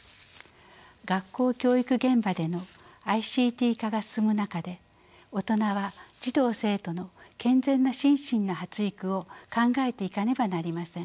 学校教育現場でのＩＣＴ化が進む中で大人は児童生徒の健全な心身の発育を考えていかねばなりません。